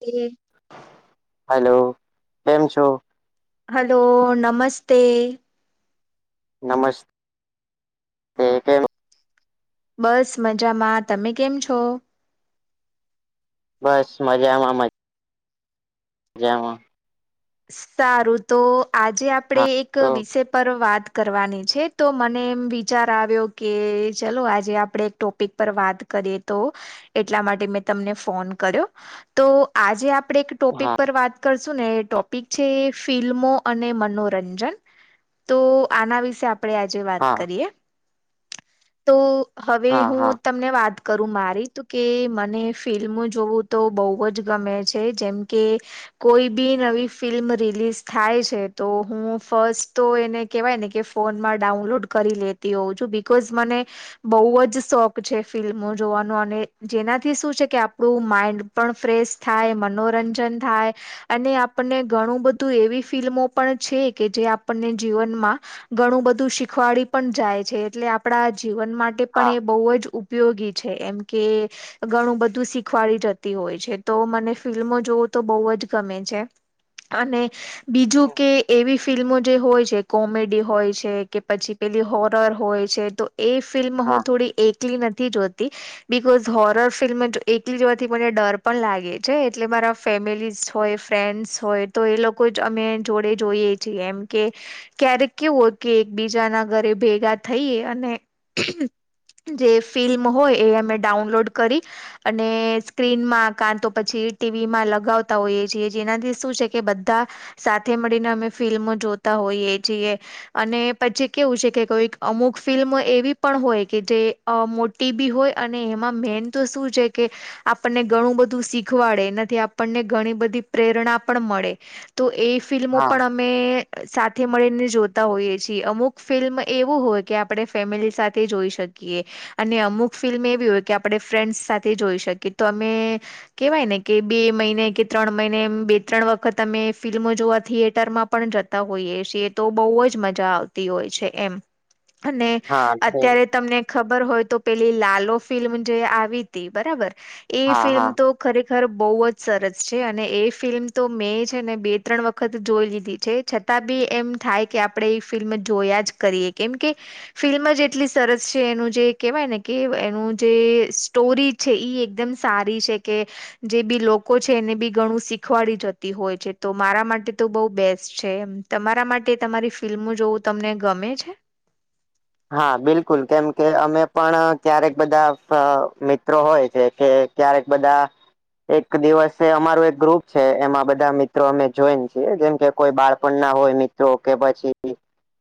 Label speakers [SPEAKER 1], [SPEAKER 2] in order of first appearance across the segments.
[SPEAKER 1] એ.
[SPEAKER 2] Hello કેમ છો.
[SPEAKER 1] Hello નમસ્તે.
[SPEAKER 2] નમસ
[SPEAKER 1] બસ મજામાં તમે કેમ છો.
[SPEAKER 2] બસ મજા આમાં મજા. જમાં.
[SPEAKER 1] સારું તો આજે આપડે
[SPEAKER 2] હા
[SPEAKER 1] એક
[SPEAKER 2] તો
[SPEAKER 1] વિષય પર વાત. કરવાની છે તો મને એમ વિચાર આવ્યો કે ચલો આજે આપણે એક ટોપિક. પર વાત કરીએ તો એટલા માટે મેં તમને ફોન કર્યો. તો આજે આપણે એક ટોપિક
[SPEAKER 2] હા
[SPEAKER 1] પર વાત કરશું ને એ. પીછે ફિલ્મો અને મનોરંજન તો આના વિશે આપ. આપડે આજે વાત
[SPEAKER 2] હા
[SPEAKER 1] કરીએ. તો હવે
[SPEAKER 2] હા
[SPEAKER 1] હું.
[SPEAKER 2] હા
[SPEAKER 1] તમને વાત કરું મારી તો કે મને ફિલ્મ જોવું તો બહુ જ ગમે છે જેમ. કે કોઈ બી નવી. ફિલ્મ રિલીઝ થાય છે તો હું ફસ્ટ તો એને કહેવાય ને કે ફોનમાં ડાઉનલોડ કરી લે. તી હોઉ છું બિકોઝ મને. બહુ જ શોખ છે ફિલ્મો જોવાનો અને જેનાથી શું છે કે આપણું માઈન્ડ. પણ ફ્રેશ થાય મનોરંજન થાય અને આપ. આપણને ઘણું બધું એવી ફિલ્મો પણ છે કે જે આપણને જીવનમાં. ઘણું બધું શીખવાડી પણ જાય છે એટલે આપણા જીવન માટે પણ
[SPEAKER 2] હા
[SPEAKER 1] એ બહુ જ. ઉપયોગી છે એમ કે. ઘણું બધું શીખવાડી જતી હોય છે તો મને ફિલ્મો જોવું તો બહુ જ ગમે છે. અને બીજું કે એવી ફિલ્મો જે હોય છે કોમેડી હોય છે કે પછી. પેલી હોરર હોય છે તો એ ફિલ્મ
[SPEAKER 2] હા
[SPEAKER 1] હું થોડી એકલી નથી જોતી. બિકોઝ હોરર ફિલ્મ એકલી જવાથી મને ડર પણ લાગે છે એટલે મારા. ફેમિલીઝ હોય ફ્રેન્ડ્સ હોય તો એ લોકો જ અમે જોડે જોઈએ છીએ એમ કે. ક્યારેક કેવો કે એકબીજાના ઘરે ભેગા થઈએ અને જે ફિલ્મ હોય એ અમે ડાઉનલોડ કરી અને સ્ક્રીનમાં કા તો પછી ટીવીમાં લગાવતા હોઈએ છીએ જેનાથી શું છે કે બધા સાથે મળીને અમે ફિલ્મો જોતા હોઈએ છીએ. અને પછી કેવું છે કે કોઈક અમુક ફિલ્મ એવી પણ હોય કે જે અ મોટી બી હોય અને એમાં મેન તો શું છે કે આપણને ઘણું બધું શીખવાડે એનાથી આપણને ઘણી બધી પ્રેરણા પણ મળે તો એ ફિલ્મો
[SPEAKER 2] હા
[SPEAKER 1] પણ અમે સાથે મળીને જોતા હોઈએ છીએ અમુક ફિલ્મ એવું હોય કે આપણે ફેમિલી સાથે જોઈ શકીએ. અને અમુક ફિલ્મ એવી હોય કે આપણે ફ્રેન્ડસ સાથે જોઈ શકીએ તો અમે કેવાય ને કે બે મહિને કે ત્રણ મહિને એમ બે ત્રણ વખત અમે ફિલ્મો જોવા થિયેટરમાં પણ જતા હોઈએ છીએ તો બહુ જ મજા તી હોય છે એમ અને
[SPEAKER 2] હા
[SPEAKER 1] અત્યારે તમને ખબર હોય તો પેલી લાલો ફિલ્મ જે આવી તી બરાબર એ
[SPEAKER 2] હા
[SPEAKER 1] ફિલ્મ
[SPEAKER 2] હા
[SPEAKER 1] તો ખરેખર બહુ જ સરસ છે અને એ ફિલ્મ તો મેં છે ને બે ત્રણ વખત જોઈ લીધી છે છતાં બી એમ થાય કે આપણેે એ ફિલ્મ જોયા જ કરીએ કેમ કે ફિલ્મ જ એટલી સરસ છે એનું જે કેહેવાય ને કે એનું જે સ્ટોરી છે ઈ એકદમ સારી છે કે જે બી લોકો છે એને બી ઘણું શીખવાડી જ તી હોય છે તો મારા માટે તો બહુ બેસ્ટ છે એમ તમારા માટે તમારી ફિલ્મ જોવું તમને ગમે છે?
[SPEAKER 2] હા બિલકુલ કેમ કે અમે પણ ક્યારેક બધા અ મિત્રો હોય છે કે ક્યારેક બધા એક દિવસે અમારુ એક ગ્રુપ છે એમાં બધા મિત્રો અમે જોઈન છીએ જેમ કે કોઈ બાળપણ ના હોય મિત્રો કે પછી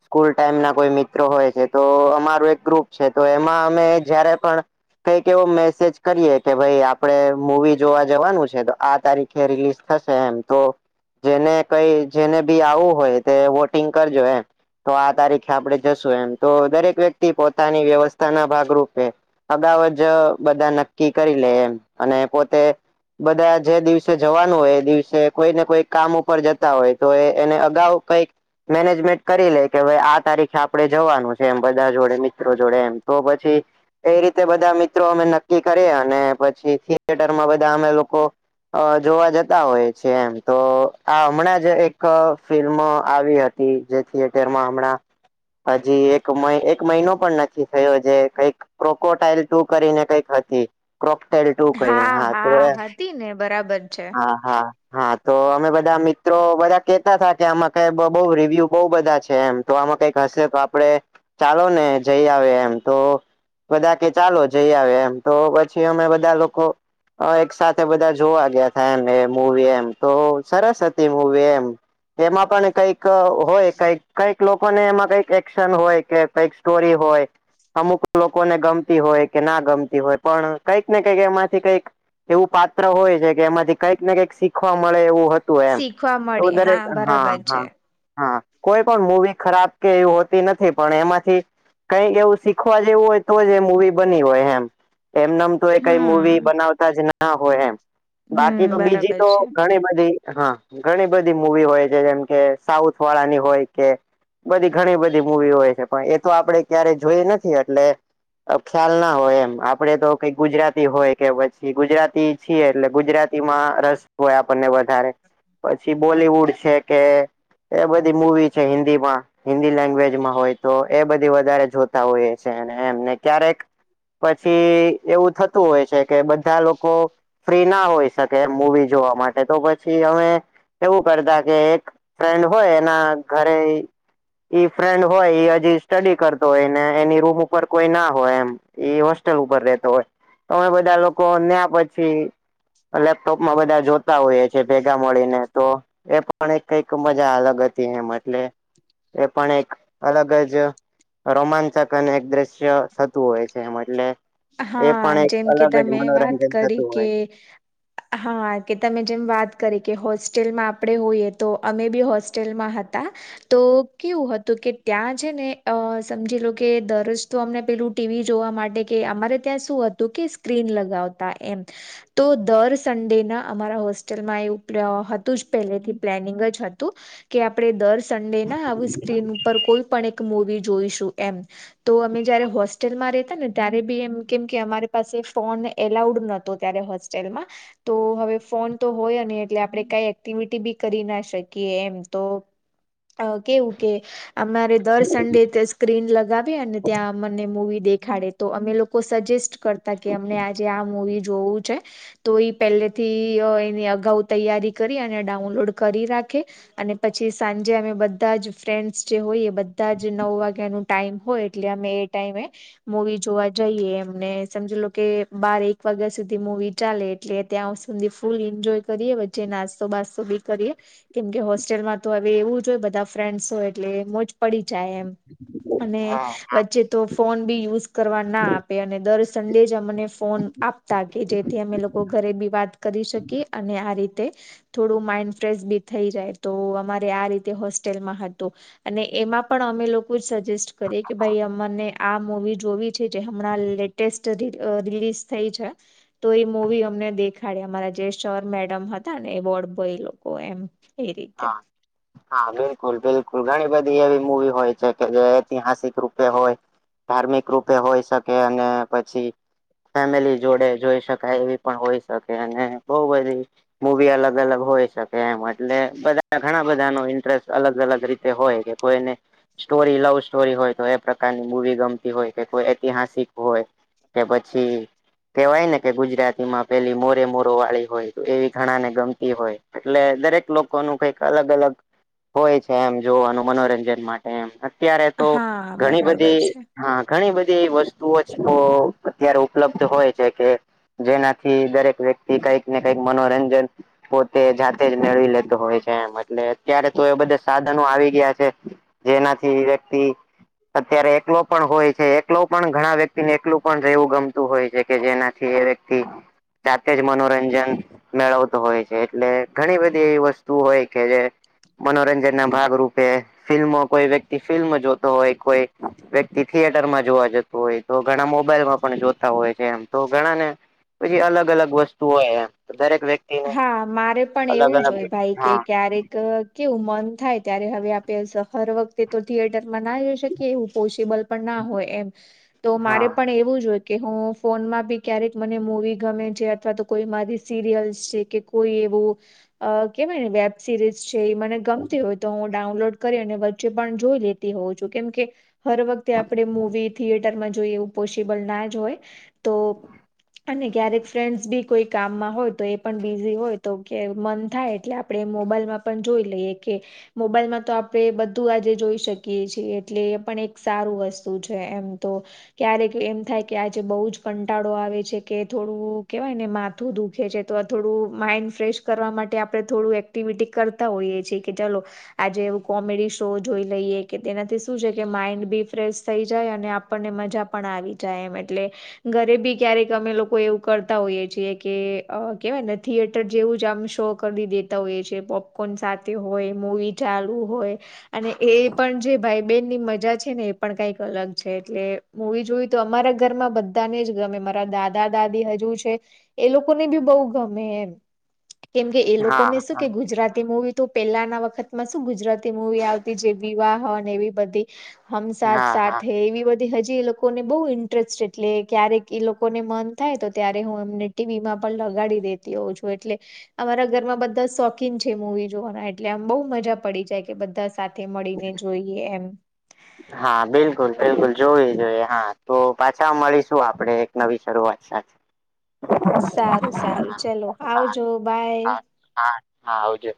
[SPEAKER 2] સ્કૂલ ટાઈમ ના કોઈ મિત્રો હોય છે. તો અમારું એક ગ્રુપ છે તો એમાં અમે જયારે પણ કંઈક એવો મેસેજ કરીએ કે ભાઈ આપણે મૂવી જોવા જવાનું છે તો આ તારીખ કે રિલીઝ થશે એમ તો જેને કઈ જેને બી આવવું હોય તે વોટિંગ કરજો એમ તો આ તારીખે આપડે જશું એમ તો દરેક વ્યક્તિ પોતાની વ્યવસ્થાના ભાગરૂપે અગાઉ જ બધા નક્કી કરી લે એમ અને પોતે બધા જે દિવસે જવાનું હોય એ દિવસે કોઈને કોઈ કામ ઉપર જતા હોય તો એ એને અગાઉ કઈક મેનેજમેન્ટ કરી લે કે હવે આ તારીખે આપણે જવાનું છે. એમ બધા જોડે મિત્રો જોડે એમ તો પછી એ રીતે બધા મિત્રો અમે નક્કી કરીએ અને પછી થિયટરમાં બધા અમે લોકો અ જોવા જતા હોય છે એમ તો આ હમણાં જ એક ફિલ્મ આવી હતી જે થયેટરમાં હમણા હજી એક એક મહિનો પણ નથી થયો જે કઈક પ્રોકોટાઈલ ટુ કરીને કઈક હતી ક્રોકટાઈલ ટુ કહીને હા તો એ
[SPEAKER 1] હતી ને બરાબર છે.
[SPEAKER 2] હા હા હા તો અમે બધા મિત્રો બધા કેતા હતા કે આમાં ક બઉ રિવ્યુ બઉુ બધા છે એમ તો આમાં કઈક હશે તો આપડે ચાલો ને જઈ આવે એમ તો બધા કે ચાલો જઈ આવે એમ તો પછી અમે બધા લોકો હ એક સાથે બધા જોવા ગયા હતા એમ એ મૂવી એમ તો સરસ હતી મૂવી એમ એમાં પણ કઈક હોય કઈક કઈક લોકોને એમાં કઈક એક્શન હોય કે કઈક સ્ટોરી હોય અમુક લોકોને ગમતી હોય કે ના ગમતી હોય પણ કઈક ને કંઈક એમાંથી કઈક એવું પાત્ર હોય છે કે એમાંથી કંઈક ને કંઈક શીખવા મળે એવું હોય તું એમ
[SPEAKER 1] શીખવા
[SPEAKER 2] તો
[SPEAKER 1] મળે
[SPEAKER 2] દરેક હા
[SPEAKER 1] બરાબર છે
[SPEAKER 2] હા હા કોઈ પણ મુવી ખરાબ કે એવી હોતી નથી. પણ એમાંથી કઈક એવું શીખવા જેવું હોય તો જ એ મુવી બની હોય એમ એમને એમ તો એ કઈ મુવી
[SPEAKER 1] હમ
[SPEAKER 2] બનાવતા જ ના હોય એમ બાકી
[SPEAKER 1] હમ
[SPEAKER 2] તો બીજી
[SPEAKER 1] બરાબર
[SPEAKER 2] તો
[SPEAKER 1] છે.
[SPEAKER 2] ઘણી બધી હા ઘણી બધી મુવી હોય છે જેમ કે સાઉથ વાળાની હોય કે. બધી ઘણી બધી મુવી હોય છે. પણ એ તો આપડે ક્યારે જોઈ નથી એટલે અ ખ્યાલ ના હોય એમ. આપડે તો કઈ ગુજરાતી હોય કે પછી ગુજરાતી છીએ એટલે ગુજરાતીમાં રસ હોય આપણને વધારે. પછી બોલીવુડ છે કે એ બધી મુવી છે. હિન્દીમાં હિન્દી લેંગ્વેજમાં હોય તો એ બધી વધારે જોતા હોઈએ છે. અને એમને ક્યારેક પછી એવું થતું હોય છે કે બધા લોકો ફ્રી ના હોય શકે એમ મૂવી જોવા માટે તો પછી અમે એવું કરતા કે એક ફ્રેન્ડ હોય એના ઘરે ઈ ફ્રેન્ડ હોય ઈ ઈ સ્ટડી કરતો હોય ને એની રૂમ ઉપર કોઈ ના હોય એમ એ હોસ્ટેલ ઉપર રેતો હોય. અમે બધા લોકો ન્યા પછી લેપટોપમાં બધા જોતા હોઈએ છે ભેગા મળીને તો એ પણ એ કઈક મજા અલ ગ હતી એમ એટલે એ પણ એક અલગ જ રોમાંચક અને એક દશ્ય થતું હોય છે એમ એટલે એ પણ
[SPEAKER 1] હા
[SPEAKER 2] એક
[SPEAKER 1] જેમ કે
[SPEAKER 2] અલગ જ
[SPEAKER 1] તમે વાત
[SPEAKER 2] મનોરંજન
[SPEAKER 1] કરી
[SPEAKER 2] થતું
[SPEAKER 1] કે
[SPEAKER 2] હોય.
[SPEAKER 1] હા કે તમે જેમ વાત કરી કે હોસ્ટેલમાં આપણે હોઈએ તો અમે બી હોસ્ટેલમાં હતા. તો કેવું હતું કે ત્યાં છે ને અ સમજી લો કે દરરોજ તો અમને પેલું ટીવી જોવા માટે કે અમારે ત્યાં શું હતું કે સ્ક્રીન લગાવતા એમ. તો દર સન્ડેના અમારા હોસ્ટેલમાં એવું હતું જ પહેલેથી પ્લેનિંગ જ હતું. કે આપડે દર સંડે ના આવું સ્ક્રીન ઉપર કોઈ પણ એક મુવી જોઈશું એમ. તો અમે જયારે હોસ્ટેલમાં રેતા ને ત્યારે બી એમ કેમ કે અમારી પાસે ફોન એલાઉડ નતો ત્યારે હોસ્ટેલમાં. તો હવે ફોન તો હોય ની એટલે આપણે કાઈ એક્ટિવિટી બી કરી ના શકીએ એમ તો અ કેવું કે અમારે દર સંડે ત્યાં સ્ક્રીન લગાવી અને ત્યાં અમને મૂવી દેખાડે. તો અમે લોકો સજેસ્ટ કરતા કે અમને આજે આ મુવી જોવું છે. તો ઈ પહેલેથી એની અગાઉ તૈયારી કરી અને ડાઉનલોડ કરી રાખે. અને પછી સાંજે અમે બધા જ ફ્રેન્ડસ જે હોઈએ બધા જ નવ વાગ્યાનું ટાઈમ હોય એટલે અમે એ ટાઈમે મુવી જોવા જઈએ. એમને સમજી લો કે બાર એક વાગ્યા સુધી મુવી ચાલે એટલે ત્યાં સુધી ફૂલ ઈન્જોય કરીએ. વચ્ચે નાસ્તો બાસ્તો બી કરીએ. કેમ કે હોસ્ટેલમાં તો હવે એવું જ હોય બધા ફ્રેન્ડસ હોય એટલે મોજ પડી જાય એમ. અને
[SPEAKER 2] હા.
[SPEAKER 1] વચ્ચે તો ફોન બી યુઝ કરવા ના આપે અને દર સંડે જ અમને ફોન આપતા કે જેથી અમે લોકો ઘરે બી વાત કરી શકીએ અને આ રીતે થોડું માઈન્ડ ફ્રેશ બી થઈ જાય, તો અમારે આ રીતે હોસ્ટેલમાં હતું. અને એમાં પણ અમે લોકો જ સજેસ્ટ કરીએ કે ભાઈ અમને આ મુવી જોવી છે જે હમણાં લેટેસ્ટ રી રિલીઝ થઈ છે. તો એ મુવી અમને દેખાડે અમારા જે સર, મેડમ હતા ને એ વોર્ડબોય એ લોકો એમ. એ રીતે
[SPEAKER 2] હા હા બિલકુલ બિલકુલ. ઘણી બધી એવી મુવી હોય છે કે જે ઐતિહાસિક રૂપે હોય. ધાર્મિક રૂપે હોય શકે અને પછી ફેમિલી જોડે જોઈ શકાય એવી પણ હોય શકે. અને બહુ બધી મૂવી અલગ અલગ હોય શકે એમ એટલે બધા ઘણા બધા નો ઇન્ટરેસ્ટ અલગ અલગ રીતે હોય કે કોઈને સ્ટોરી લવ સ્ટોરી હોય તો એ પ્રકારની મૂવી ગમતી હોય કે કોઈ ઐતિહાસિક હોય કે પછી કેવાય ને કે ગુજરાતી માં પેલી મોરે મોરો વાળી હોય એવી ઘણા ને ગમતી હોય એટલે દરેક લોકો નુ કઈક અલગ અલગ હોય છે એમ જોવાનું મનોરંજન માટે એમ અત્યારે તો
[SPEAKER 1] હા
[SPEAKER 2] ઘણી
[SPEAKER 1] બરાબર
[SPEAKER 2] બધી
[SPEAKER 1] છે
[SPEAKER 2] હા ઘણી બધી વસ્તુઓ છો અત્યારે ઉપલબ્ધ હોય છે કે જેનાથી દરેક વ્યક્તિ કઈક ને કઈક મનોરંજન પોતે જાતે જ મેળવી લે તો હોય છે એમ એટલે અત્યારે તો એ બધા સાધનો આવી ગયા છે જેનાથી વ્યક્તિ અત્યારે એકલો પણ હોય છે એકલો પણ ઘણા વ્યક્તિને એકલું પણ રહેવું ગમતું હોય છે કે જેનાથી એ વ્યક્તિ જાતે જ મનોરંજન મેળવતું હોય છે એટલે ઘણી બધી એવી વસ્તુ તુ હોય કે જે મનોરંજન ના ભાગરૂૂપે ફિલ્મો કોઈ વ્યક્તિ ફિલ્મ જોતો હોય કોઈ વ્યક્તિ થિયેટર માં જોવા જ તું હોય તો ઘણા મોબાઈલમાં પણ જોતા હોય છે એમ તો ઘણા ને પછી અલગ અલગ વસ્તુ હોય એમ દરેક વ્યક્તિ
[SPEAKER 1] હા મારે પણ એવું જ હોય ભાઈ કે
[SPEAKER 2] હા
[SPEAKER 1] ક્યારેક કેવું મન થાય ત્યારે હવે આપે હર વખ તે તો થિયેટરમાં ના જઈ શકીએ એવું પોસિબલ પણ ના હોય એમ તો મારે
[SPEAKER 2] હા
[SPEAKER 1] પણ એવું જો હોય કે હું ફોનમાં બી ક્યારેક મને મુવી ગમે છે અથવા તો કોઈ મારી સિરિયલ છે કે કોઈ એવું અહ કેવાય ને વેબ સિરીઝ છે એ મને ગમતી હોય તો હું ડાઉનલોડ કરી અને વચ્ચે પણ જોઈ લે તી હોઉં છુ કેમ કે હર વખતે આપણે મુવી થિયેટરમાં જોઈએ એવું પોસિબલ ના જ હોય તો અને ક્યારેક ફ્રેન્ડ્સ બી કોઈ કામમાં હોય તો એ પણ બીઝી હોય તો કે મન થાય એટલે આપણે મોબાઈલમાં પણ જોઈ લઈએ કે મોબાઈલમાં તો આપણે બધું આજે જોઈ શકીએ છીએ એટલે એ પણ એક સારું વસ્તુ છે એમ તો ક્યારેક એમ થાય કે આજે બઉજ કંટાળો આવે છે કે થોડું કેવાય ને માથું દુખે છે તો આ થોડું માઈન્ડ ફ્રેશ કરવા માટે આપણે થોડું એક્ટિવિટી કરતા હોઈએ છીએ કે ચાલો આજે એવું કોમેડી શો જોઈ લઈએ કે તેનાથી શું છે કે માઈન્ડ બી ફ્રેશ થઈ જાય અને આપ આપણને મજા પણ આવી જાય એમ એટલે ઘરે બી ક્યારેક અમે લોકો એવું કરતા હોઈએ છીએ કે અહ કહેવાય ને થિયેટર જેવું જ આમ શો કરી દેતા હોય છે પોપકોર્ન સાથે હોય મુવી ચાલુ હોય અને એ પણ જે ભાઈ બેનની મજા છે ને એ પણ કઈક અલગ છે એટલે મુવી જોવી તો અમારા ઘરમાં બધાને જ ગમે મારા દાદા દાદી હજુ છે એ લોક કો ને બી બઉ ગમે એમ કેમ કે એ
[SPEAKER 2] હા
[SPEAKER 1] લોકોને શું કે ગુજરાતી મુવી તો પેલાના વખત માં શું ગુજરાતી મુૂવી આવતી જે વિવાહ ને એવી બધી હમ સાથ
[SPEAKER 2] હા હા
[SPEAKER 1] સાથ હે એવી બધી હજી એ લોકોને બઉ ઇન્ટરેસ્ટ એટલે ક્યારેક એ લોકોને મન થાય તો ત્યારે હું એમને ટી વી માં પણ લગાડી દેતી હોઉ છું એટલે અમારા ઘરમાં બધા શોકીન છે મુવી જોવાના એટલે આમ બો મજા પડી જાય કે બધા સાથે મળીને જોઈએ એમ
[SPEAKER 2] [inaudible] હા બિલકુલ બિલકુલ જોવી જોઈએ હા તો પાછા મળીશું આપડે એક નવી શરૂઆત સાથે [inaudible]
[SPEAKER 1] સારું સારું ચલો
[SPEAKER 2] હા
[SPEAKER 1] આવજો બાય.
[SPEAKER 2] હા હા હા આવજે.